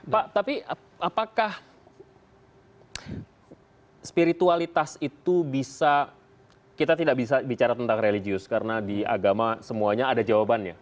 pak tapi apakah spiritualitas itu bisa kita tidak bisa bicara tentang religius karena di agama semuanya ada jawabannya